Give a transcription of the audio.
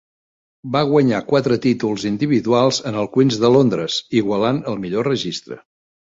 Va guanyar quatre títols individuals en el Queens de Londres, igualant el millor registre.